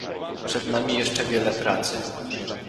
Przed nami jeszcze wiele pracy